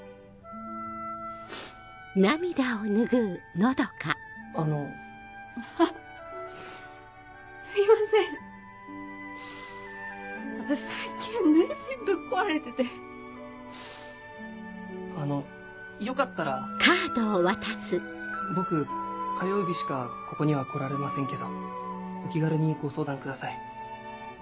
はなをすする音すいません私最近涙腺ぶっ壊れててあのよかったら僕火曜日しかここには来られませんけどお気軽にご相談ください